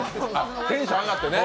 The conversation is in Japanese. テンション上がってね。